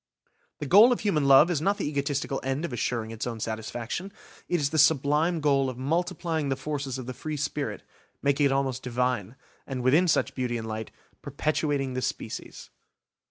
The goal of human love is not the egotistical end of assuring its own satisfaction–it is the sublime goal of multiplying the forces of the free spirit, making it almost Divine, and, within such beauty and light, perpetuating the species.